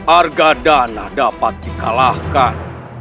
arga dana dapat dikalahkan